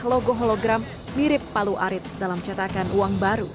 lima logo hologram mirip palu arit dalam cetakan uang baru